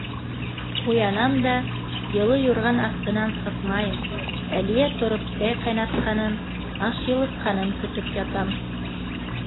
Уянам да, йылы юрған аҫтынан сыҡмайым, Әлиә тороп, сәй ҡайнатҡанын, аш йылытҡанын көтөп ятам.